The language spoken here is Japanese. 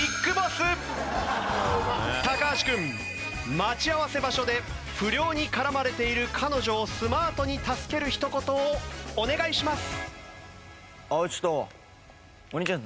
橋君待ち合わせ場所で不良に絡まれている彼女をスマートに助ける一言をお願いします。